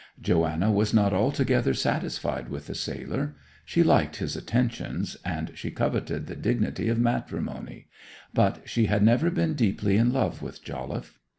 Joanna was not altogether satisfied with the sailor. She liked his attentions, and she coveted the dignity of matrimony; but she had never been deeply in love with Jolliffe.